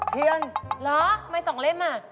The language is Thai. เทียนเหรอทำไม๒เล่มอ่ะ